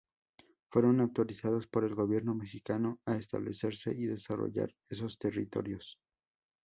Fueron autorizados por el gobierno mexicano a establecerse y desarrollar esos territorios.